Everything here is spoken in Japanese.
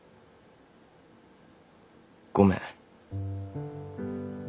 ごめん。